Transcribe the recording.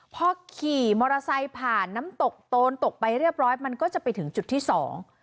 พอขี่มอเตอร์ไซค์ผ่านน้ำตกโตนตกไปเรียบร้อยมันก็จะไปถึงจุดที่สอง